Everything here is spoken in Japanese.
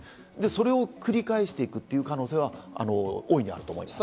それを繰り返していくという可能性は大いにあると思います。